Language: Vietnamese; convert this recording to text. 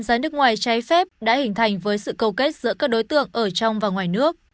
ra nước ngoài trái phép đã hình thành với sự cầu kết giữa các đối tượng ở trong và ngoài nước